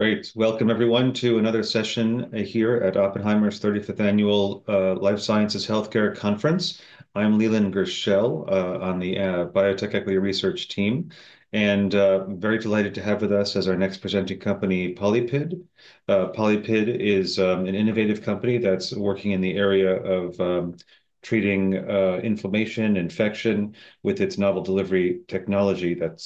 Great. Welcome, everyone, to another session here at Oppenheimer's 35th Annual Life Sciences Healthcare Conference. I'm Leland Gershell on the Biotech Equity Research team, and very delighted to have with us as our next presenting company, PolyPid. PolyPid is an innovative company that's working in the area of treating inflammation and infection with its novel delivery technology that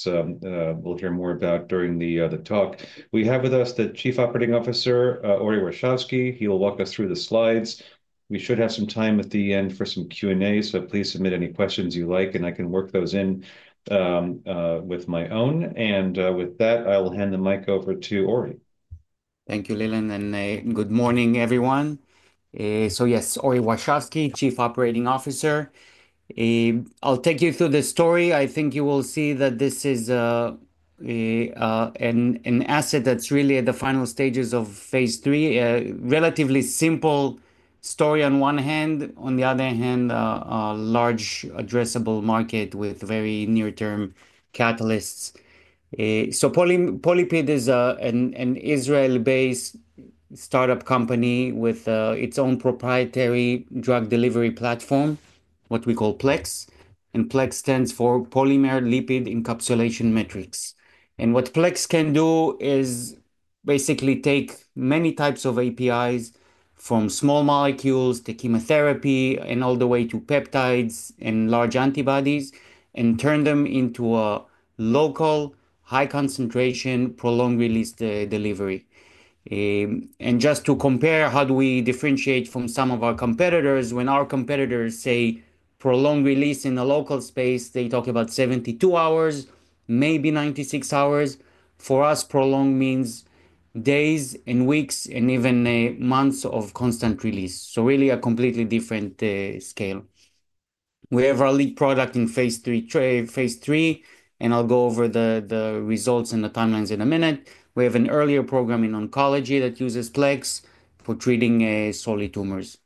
we'll hear more about during the talk. We have with us the Chief Operating Officer, Ori Warshavsky. He will walk us through the slides. We should have some time at the end for some Q&A, so please submit any questions you like, and I can work those in with my own. With that, I'll hand the mic over to Ori. Thank you, Leland. Good morning, everyone. Yes, Ori Warshavsky, Chief Operating Officer. I'll take you through the story. I think you will see that this is an asset that's really at the final stages of phase three. A relatively simple story on one hand, on the other hand, a large addressable market with very near-term catalysts. PolyPid is an Israel-based startup company with its own proprietary drug delivery platform, what we call PLEX. PLEX stands for Polymer-Lipid Encapsulation Matrix. What PLEX can do is basically take many types of APIs from small molecules to chemotherapy and all the way to peptides and large antibodies and turn them into a local, high-concentration, prolonged-release delivery. Just to compare, how do we differentiate from some of our competitors? When our competitors say prolonged release in the local space, they talk about 72 hours, maybe 96 hours. For us, prolonged means days and weeks and even months of constant release. Really a completely different scale. We have our lead product in Phase 3, and I'll go over the results and the timelines in a minute. We have an earlier program in oncology that uses PLEX for treating solid tumors.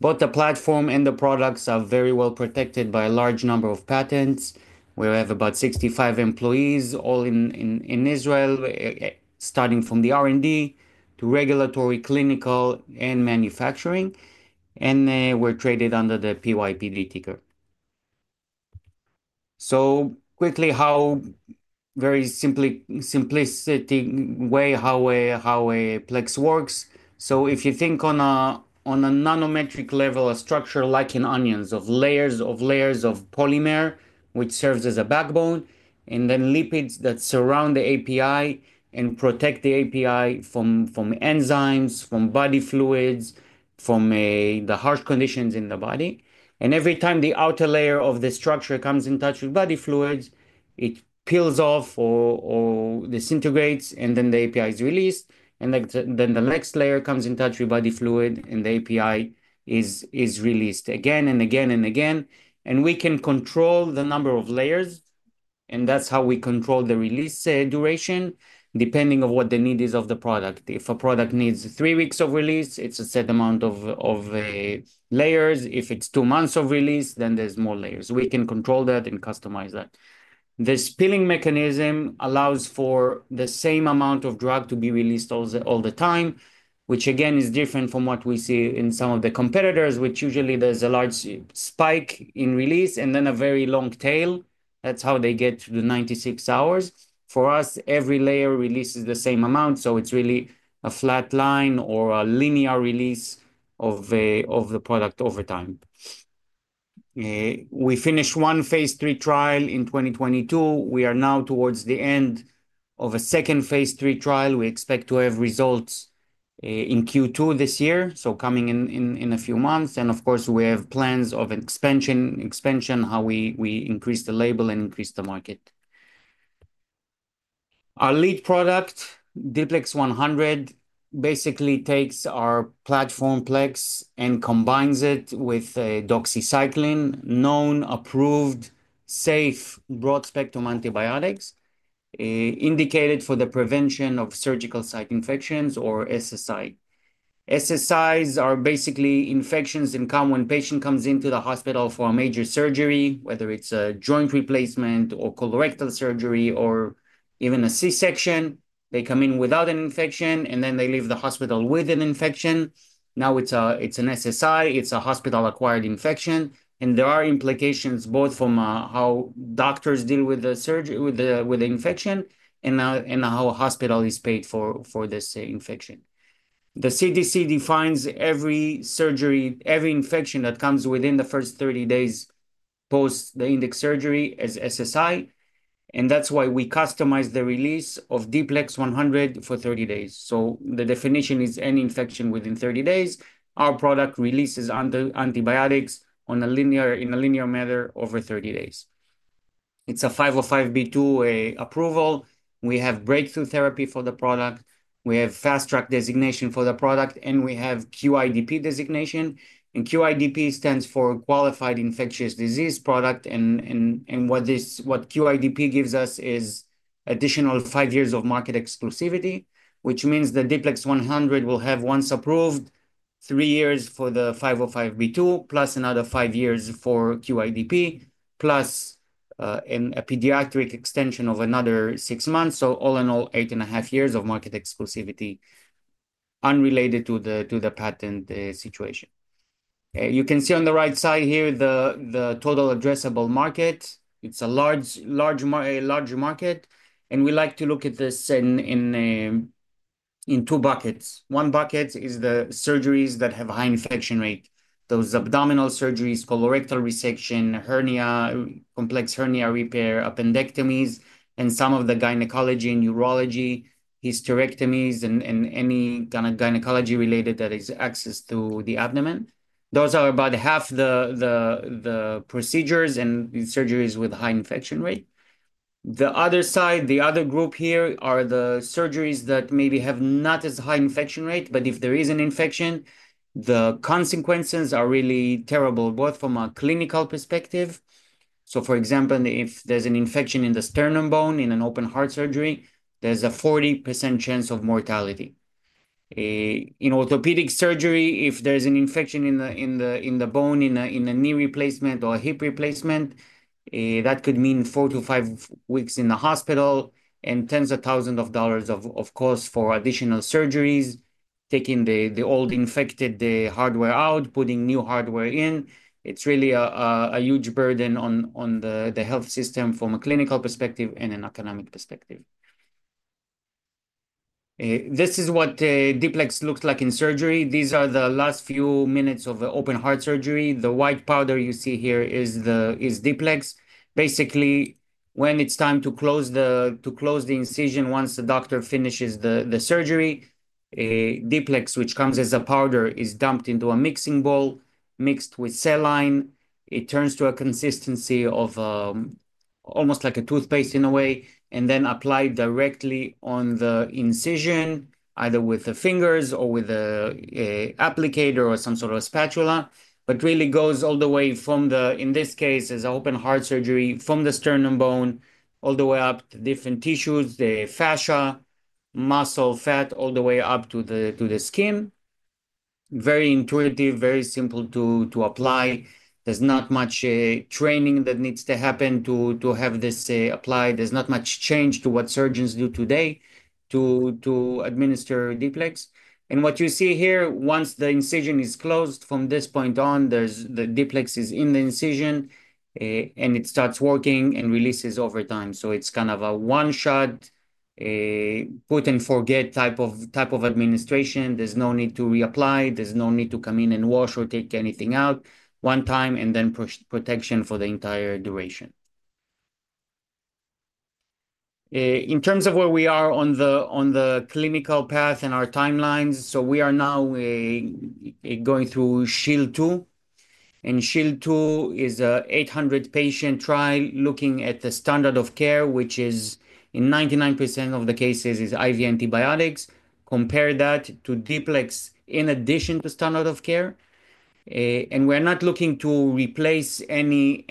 Both the platform and the products are very well protected by a large number of patents. We have about 65 employees, all in Israel, starting from the R&D to regulatory, clinical, and manufacturing. We're traded under the PYPD ticker. Quickly, very simplistic way, how PLEX works. If you think on a nanometric level, a structure like in onions, of layers of layers of polymer, which serves as a backbone, and then lipids that surround the API and protect the API from enzymes, from body fluids, from the harsh conditions in the body. Every time the outer layer of the structure comes in touch with body fluids, it peels off or disintegrates, and then the API is released. Then the next layer comes in touch with body fluid, and the API is released again and again and again. We can control the number of layers, and that is how we control the release duration, depending on what the need is of the product. If a product needs three weeks of release, it is a set amount of layers. If it is two months of release, then there are more layers. We can control that and customize that. This peeling mechanism allows for the same amount of drug to be released all the time, which again is different from what we see in some of the competitors, which usually there is a large spike in release and then a very long tail. That's how they get to the 96 hours. For us, every layer releases the same amount, so it's really a flat line or a linear release of the product over time. We finished one Phase 3 trial in 2022. We are now towards the end of a second Phase 3 trial. We expect to have results in Q2 this year, coming in a few months. Of course, we have plans of expansion, how we increase the label and increase the market. Our lead product, D-PLEX 100, basically takes our platform PLEX and combines it with doxycycline, known, approved, safe broad-spectrum antibiotics indicated for the prevention of surgical site infections or SSI. SSIs are basically infections that come when a patient comes into the hospital for a major surgery, whether it's a joint replacement or colorectal surgery or even a C-section. They come in without an infection, and then they leave the hospital with an infection. Now it's an SSI. It's a hospital-acquired infection. There are implications both from how doctors deal with the infection and how a hospital is paid for this infection. The CDC defines every surgery, every infection that comes within the first 30 days post the index surgery as SSI. That is why we customize the release of D-PLEX 100 for 30 days. The definition is any infection within 30 days. Our product releases antibiotics in a linear manner over 30 days. It's a 505(b)(2) approval. We have breakthrough therapy for the product. We have fast-track designation for the product, and we have QIDP designation. QIDP stands for Qualified Infectious Disease Product. What QIDP gives us is additional five years of market exclusivity, which means that D-PLEX 100 will have, once approved, three years for the 505(b)(2), plus another five years for QIDP, plus a pediatric extension of another six months. All in all, eight and a half years of market exclusivity unrelated to the patent situation. You can see on the right side here the total addressable market. It's a large market. We like to look at this in two buckets. One bucket is the surgeries that have a high infection rate, those abdominal surgeries, colorectal resection, hernia, complex hernia repair, appendectomies, and some of the gynecology and urology, hysterectomies, and any kind of gynecology related that is access to the abdomen. Those are about half the procedures and surgeries with a high infection rate. The other side, the other group here are the surgeries that maybe have not as high infection rate, but if there is an infection, the consequences are really terrible, both from a clinical perspective. For example, if there's an infection in the sternum bone in an open heart surgery, there's a 40% chance of mortality. In orthopedic surgery, if there's an infection in the bone, in a knee replacement or a hip replacement, that could mean four to five weeks in the hospital and tens of thousands of dollars of cost for additional surgeries, taking the old infected hardware out, putting new hardware in. It's really a huge burden on the health system from a clinical perspective and an economic perspective. This is what D-PLEX 100 looks like in surgery. These are the last few minutes of an open heart surgery. The white powder you see here is D-PLEX 100. Basically, when it's time to close the incision, once the doctor finishes the surgery, D-PLEX 100, which comes as a powder, is dumped into a mixing bowl mixed with saline. It turns to a consistency of almost like a toothpaste in a way, and then applied directly on the incision, either with the fingers or with an applicator or some sort of spatula, but really goes all the way from the, in this case, as an open heart surgery, from the sternum bone all the way up to different tissues, the fascia, muscle, fat, all the way up to the skin. Very intuitive, very simple to apply. There's not much training that needs to happen to have this applied. There's not much change to what surgeons do today to administer D-PLEX 100. What you see here, once the incision is closed, from this point on, the D-PLEX 100 is in the incision, and it starts working and releases over time. It is kind of a one-shot, put-and-forget type of administration. There is no need to reapply. There is no need to come in and wash or take anything out one time and then protection for the entire duration. In terms of where we are on the clinical path and our timelines, we are now going through SHIELD II. SHIELD II is an 800-patient trial looking at the standard of care, which in 99% of the cases is IV antibiotics. Compare that to D-PLEX 100 in addition to standard of care. We are not looking to replace any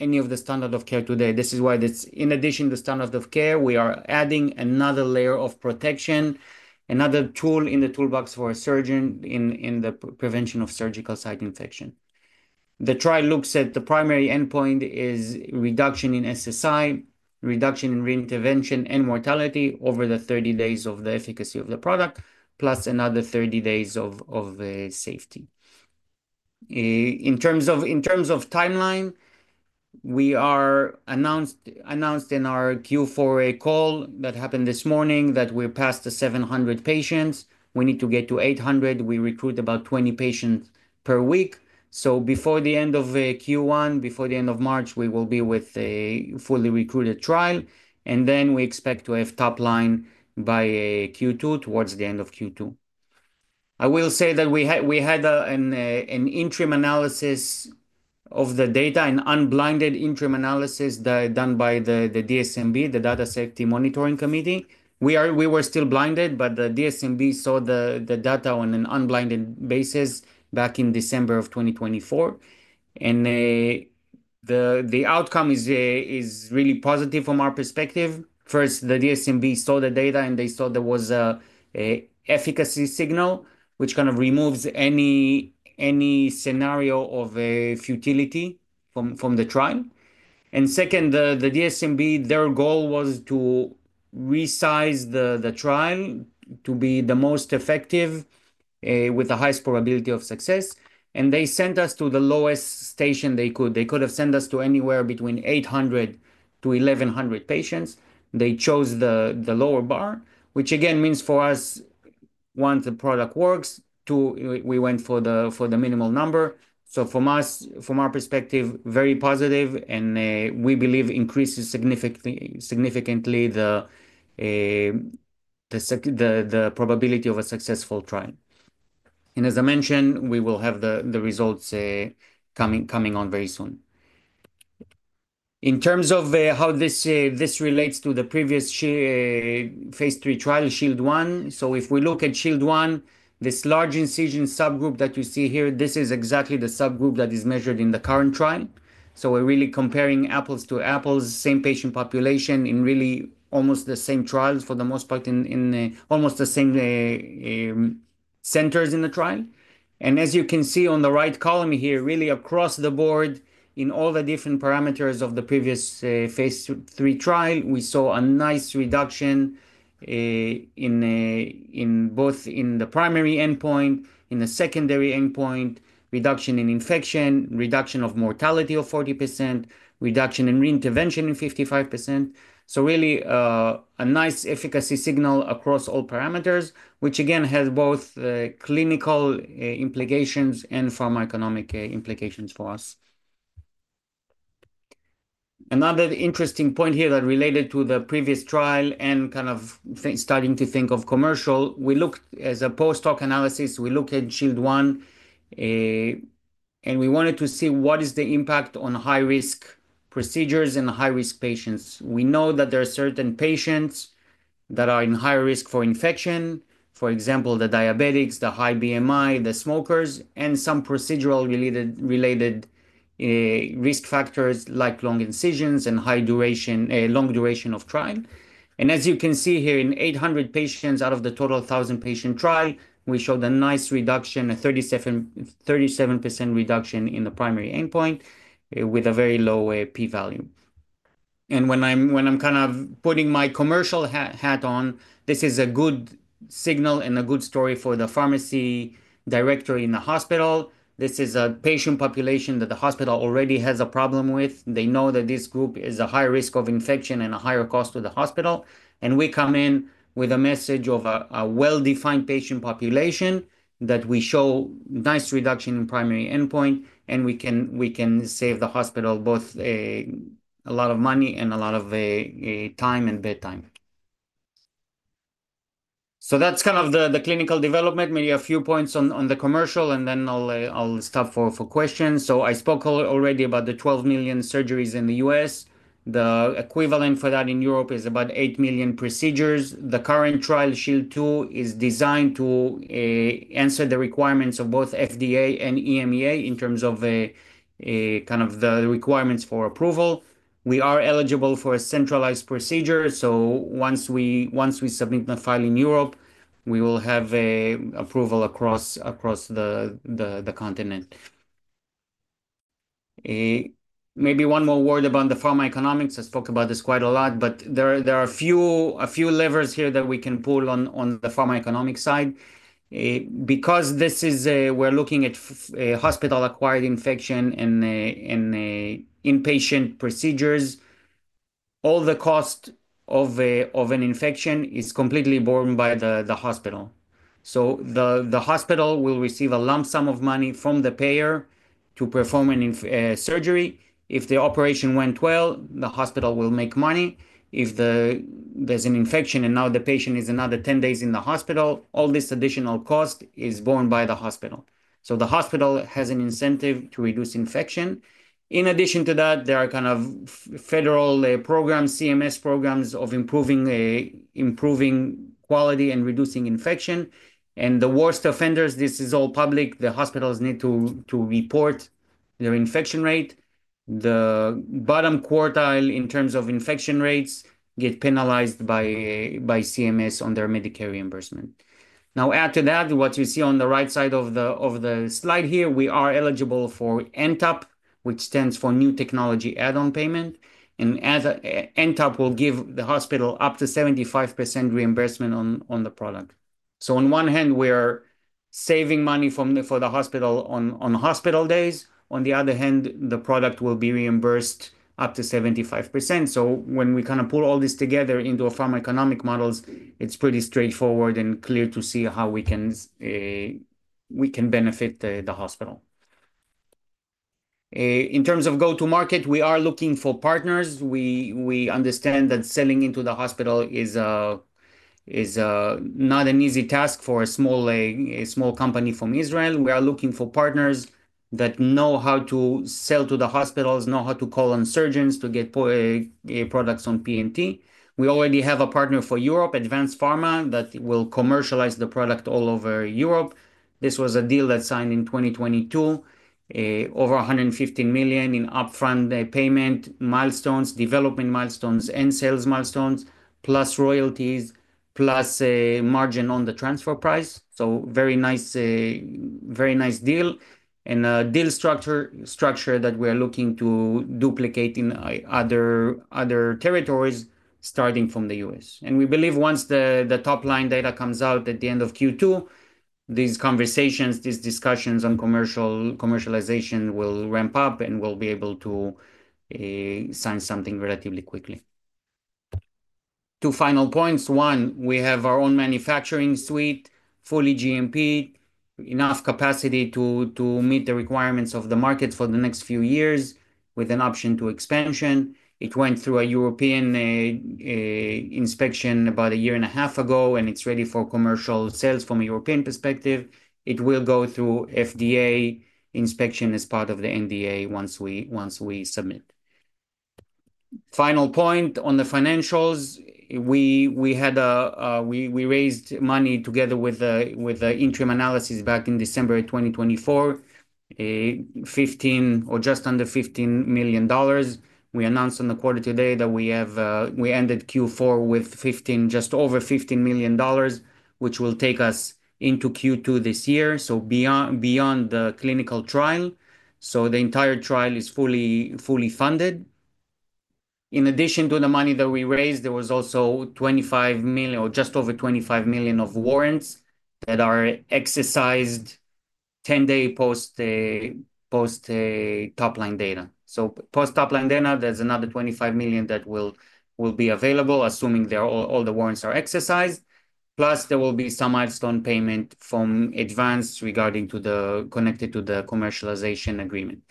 of the standard of care today. This is why it's in addition to standard of care, we are adding another layer of protection, another tool in the toolbox for a surgeon in the prevention of surgical site infection. The trial looks at the primary endpoint is reduction in SSI, reduction in reintervention, and mortality over the 30 days of the efficacy of the product, plus another 30 days of safety. In terms of timeline, we announced in our Q4 call that happened this morning that we're past the 700 patients. We need to get to 800. We recruit about 20 patients per week. Before the end of Q1, before the end of March, we will be with a fully recruited trial. We expect to have top line by Q2, towards the end of Q2. I will say that we had an interim analysis of the data, an unblinded interim analysis done by the DSMB, the Data Safety Monitoring Board. We were still blinded, but the DSMB saw the data on an unblinded basis back in December of 2024. The outcome is really positive from our perspective. First, the DSMB saw the data, and they saw there was an efficacy signal, which kind of removes any scenario of futility from the trial. Second, the DSMB, their goal was to resize the trial to be the most effective with the highest probability of success. They sent us to the lowest station they could. They could have sent us to anywhere between 800-1,100 patients. They chose the lower bar, which again means for us, once the product works, we went for the minimal number. From our perspective, very positive. We believe increases significantly the probability of a successful trial. As I mentioned, we will have the results coming on very soon. In terms of how this relates to the previous Phase 3 trial, SHIELD I, if we look at SHIELD I, this large incision subgroup that you see here, this is exactly the subgroup that is measured in the current trial. We are really comparing apples to apples, same patient population in really almost the same trials for the most part, in almost the same centers in the trial. As you can see on the right column here, really across the board, in all the different parameters of the previous phase 3 trial, we saw a nice reduction both in the primary endpoint, in the secondary endpoint, reduction in infection, reduction of mortality of 40%, reduction in reintervention in 55%. Really a nice efficacy signal across all parameters, which again has both clinical implications and pharma economic implications for us. Another interesting point here that related to the previous trial and kind of starting to think of commercial, we looked as a post-hoc analysis, we looked at SHIELD I, and we wanted to see what is the impact on high-risk procedures and high-risk patients. We know that there are certain patients that are in high risk for infection, for example, the diabetics, the high BMI, the smokers, and some procedural-related risk factors like long incisions and long duration of trial. As you can see here, in 800 patients out of the total 1,000-patient trial, we showed a nice reduction, a 37% reduction in the primary endpoint with a very low P-value. When I'm kind of putting my commercial hat on, this is a good signal and a good story for the pharmacy director in the hospital. This is a patient population that the hospital already has a problem with. They know that this group is at high risk of infection and a higher cost to the hospital. We come in with a message of a well-defined patient population that we show nice reduction in primary endpoint, and we can save the hospital both a lot of money and a lot of time and bedtime. That is kind of the clinical development, maybe a few points on the commercial, and then I'll stop for questions. I spoke already about the 12 million surgeries in the US. The equivalent for that in Europe is about 8 million procedures. The current trial, SHIELD II, is designed to answer the requirements of both FDA and EMEA in terms of kind of the requirements for approval. We are eligible for a centralized procedure. Once we submit the file in Europe, we will have approval across the continent. Maybe one more word about the pharma economics. I spoke about this quite a lot, but there are a few levers here that we can pull on the pharma economic side. Because we're looking at hospital-acquired infection and inpatient procedures, all the cost of an infection is completely borne by the hospital. The hospital will receive a lump sum of money from the payer to perform a surgery. If the operation went well, the hospital will make money. If there's an infection and now the patient is another 10 days in the hospital, all this additional cost is borne by the hospital. The hospital has an incentive to reduce infection. In addition to that, there are kind of federal programs, CMS programs of improving quality and reducing infection. The worst offenders, this is all public, the hospitals need to report their infection rate. The bottom quartile in terms of infection rates get penalized by CMS on their Medicare reimbursement. Now, add to that what you see on the right side of the slide here, we are eligible for NTAP, which stands for New Technology Add-on Payment. NTAP will give the hospital up to 75% reimbursement on the product. On one hand, we are saving money for the hospital on hospital days. On the other hand, the product will be reimbursed up to 75%. When we kind of pull all this together into pharma economic models, it's pretty straightforward and clear to see how we can benefit the hospital. In terms of go-to-market, we are looking for partners. We understand that selling into the hospital is not an easy task for a small company from Israel. We are looking for partners that know how to sell to the hospitals, know how to call on surgeons to get products on P&T. We already have a partner for Europe, ADVANZ PHARMA, that will commercialize the product all over Europe. This was a deal that's signed in 2022, over $150 million in upfront payment milestones, development milestones, and sales milestones, plus royalties, plus margin on the transfer price. Very nice deal and a deal structure that we are looking to duplicate in other territories starting from the US. We believe once the top line data comes out at the end of Q2, these conversations, these discussions on commercialization will ramp up and we'll be able to sign something relatively quickly. Two final points. One, we have our own manufacturing suite, fully GMP, enough capacity to meet the requirements of the market for the next few years with an option to expansion. It went through a European inspection about a year and a half ago, and it's ready for commercial sales from a European perspective. It will go through FDA inspection as part of the NDA once we submit. Final point on the financials, we raised money together with interim analysis back in December 2024, 15 or just under $15 million. We announced on the quarter today that we ended Q4 with just over $15 million, which will take us into Q2 this year, so beyond the clinical trial. The entire trial is fully funded. In addition to the money that we raised, there was also just over $25 million of warrants that are exercised 10 days post-top line data. Post-top line data, there is another $25 million that will be available, assuming all the warrants are exercised. Plus, there will be some milestone payment from ADVANZ connected to the commercialization agreement.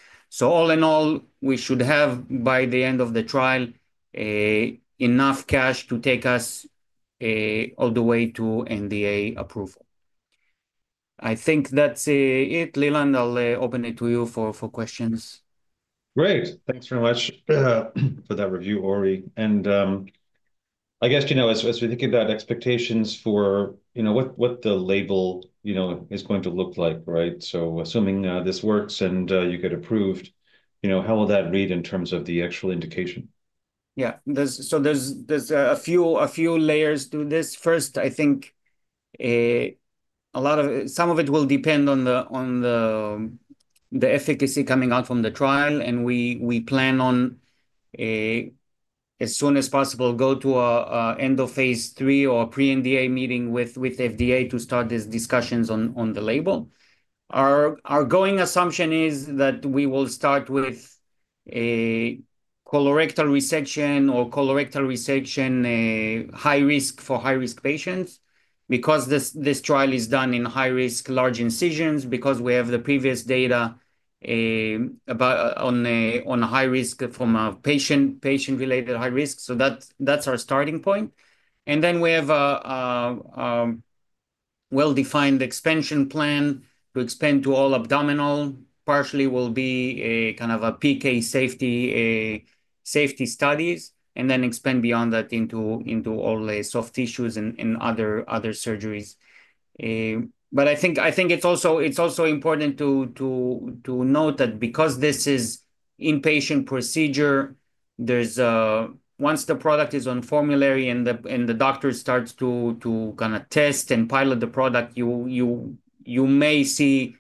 All in all, we should have by the end of the trial enough cash to take us all the way to NDA approval. I think that's it, Leland. I'll open it to you for questions. Great. Thanks very much for that review, Ori. I guess as we think about expectations for what the label is going to look like, right? Assuming this works and you get approved, how will that read in terms of the actual indication? Yeah. There are a few layers to this. First, I think some of it will depend on the efficacy coming out from the trial. We plan on, as soon as possible, to go to an end of Phase 3 or pre-NDA meeting with FDA to start these discussions on the label. Our going assumption is that we will start with colorectal resection or colorectal resection, high risk for high-risk patients because this trial is done in high-risk, large incisions because we have the previous data on high risk from patient-related high risk. That is our starting point. We have a well-defined expansion plan to expand to all abdominal. Partially, it will be kind of PK safety studies and then expand beyond that into all soft tissues and other surgeries. I think it's also important to note that because this is inpatient procedure, once the product is on formulary and the doctor starts to kind of test and pilot the product, you may see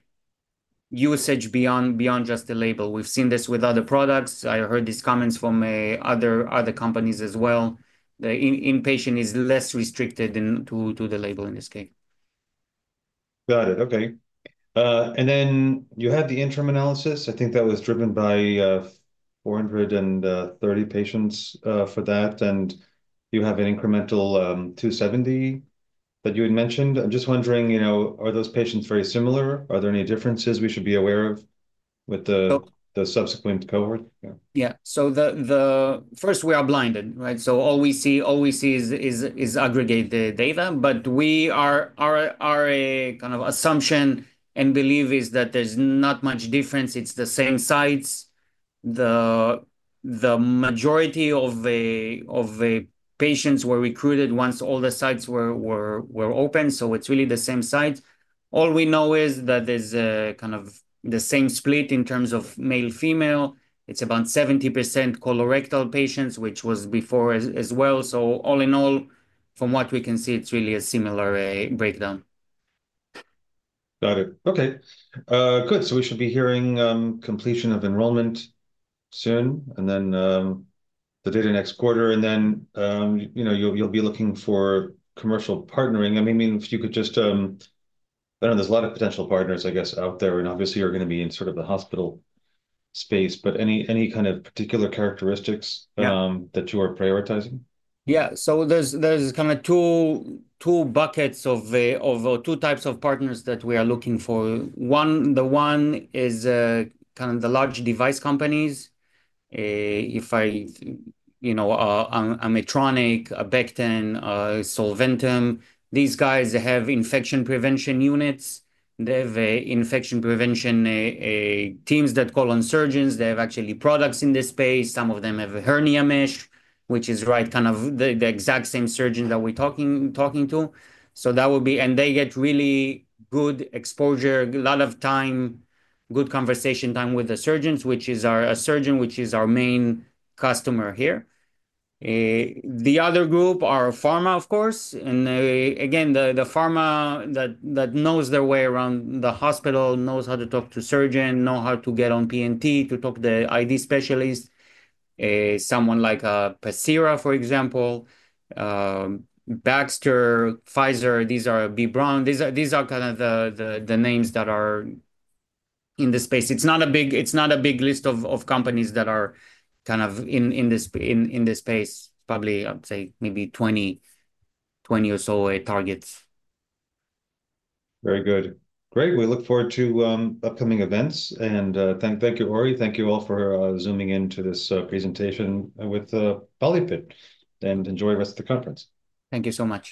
usage beyond just the label. We've seen this with other products. I heard these comments from other companies as well. The inpatient is less restricted to the label in this case. Got it. Okay. You had the interim analysis. I think that was driven by 430 patients for that. You have an incremental 270 that you had mentioned. I'm just wondering, are those patients very similar? Are there any differences we should be aware of with the subsequent cohort? Yeah. First, we are blinded, right? All we see is aggregated data. Our kind of assumption and belief is that there's not much difference. It's the same sites. The majority of the patients were recruited once all the sites were open. It's really the same sites. All we know is that there's kind of the same split in terms of male-female. It's about 70% colorectal patients, which was before as well. All in all, from what we can see, it's really a similar breakdown. Got it. Okay. Good. We should be hearing completion of enrollment soon and then the data next quarter. I mean, you'll be looking for commercial partnering. If you could just, I know there's a lot of potential partners, I guess, out there. Obviously, you're going to be in sort of the hospital space. Any kind of particular characteristics that you are prioritizing? Yeah. There are kind of two buckets of two types of partners that we are looking for. One is kind of the large device companies. If I'm Medtronic, Solventum, these guys have infection prevention units. They have infection prevention teams that call on surgeons. They have actually products in this space. Some of them have a hernia mesh, which is right kind of the exact same surgeon that we're talking to. That would be, and they get really good exposure, a lot of time, good conversation time with the surgeons, which is our main customer here. The other group are pharma, of course. Again, the pharma that knows their way around the hospital, knows how to talk to surgeon, knows how to get on P&T to talk to the ID specialist, someone like Pacira, for example, Baxter, Pfizer, these are B. Braun. These are kind of the names that are in the space. It's not a big list of companies that are kind of in this space. Probably, I'd say maybe 20 or so it targets. Very good. Great. We look forward to upcoming events. Thank you, Ori. Thank you all for zooming into this presentation with PolyPid. Enjoy the rest of the conference. Thank you so much.